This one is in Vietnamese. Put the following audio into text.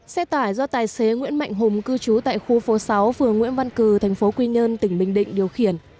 xe tải do tài xế nguyễn mạnh hùng cư trú tại khu phố sáu phường nguyễn văn cử tp quy nhơn tỉnh bình định điều khiển